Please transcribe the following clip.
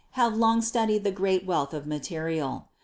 226 GEOLOGY long studied the great wealth of material.